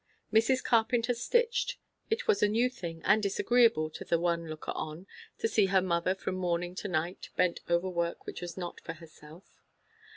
Mrs. Carpenter stitched. It was a new thing, and disagreeable to the one looker on, to see her mother from morning to night bent over work which was not for herself.